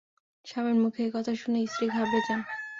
স্বামীর মুখে এ কথা শুনে স্ত্রী ঘাবড়ে যান।